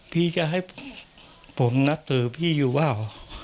พี่จะให้ผมนัดสื่อพี่อยู่หรือเปล่า